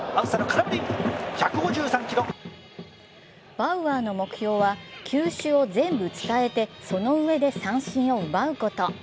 バウアーの目標は球種を全部伝えて、そのうえで三振を奪うこと。